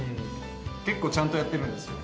結構ちゃんとやってるんですよ。